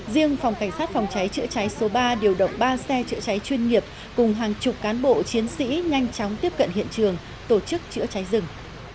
riêng phòng cảnh sát phòng cháy chữa cháy số ba điều động ba xe chữa cháy chuyên nghiệp cùng hàng chục cán bộ chiến sĩ nhanh chóng tiếp cận hiện trường tổ chức chữa cháy rừng